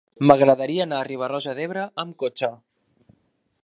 M'agradaria anar a Riba-roja d'Ebre amb cotxe.